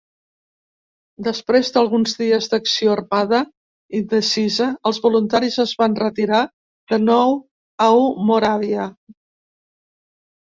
Després d'alguns dies d'acció armada indecisa, els voluntaris es van retirar de nou au Moràvia.